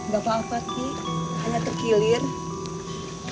gak apa apa sih hanya terkilir